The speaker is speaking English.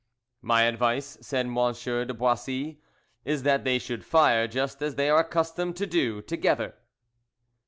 "My advice," said M. de Boissy, "is that they should fire just as they are accustomed to do, together."